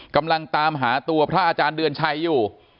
กำลังตามหาตัวพระอาจารย์เดือนชัยอยู่